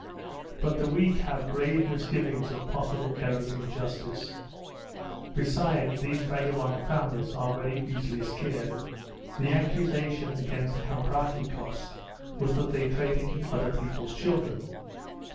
But the weak have grave misgivings of possible errors in justice. Besides, these vagabond families are very easily scared. The accusation against the Comprachicos was that they traded in other people's children.